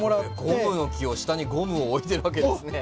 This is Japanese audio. ゴムノキを下にゴムを置いてるわけですね！